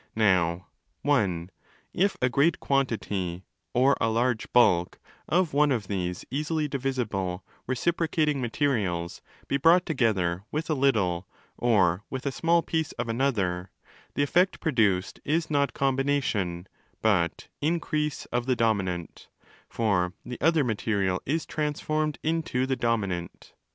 Now (i) if a great quantity (or a large bulk) of one of these easily 25 divisible ' reciprocating ' materials be brought together with a little (or with a small piece) of another, the effect produced is not 'combination', but increase of the dominant: for the other material is transformed into the dominant.